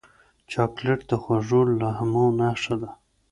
چاکلېټ د خوږو لمحو نښه ده.